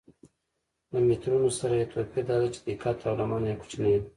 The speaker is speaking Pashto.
له مترونو سره یې توپیر دا دی چې دقت او لمنه یې کوچنۍ ده.